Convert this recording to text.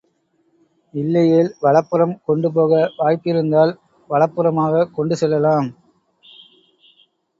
இல்லையேல், வலப்புறம் கொண்டு போக வாய்ப்பிருந்தால், வலதுபுறமாகக் கொண்டு செல்லலாம்.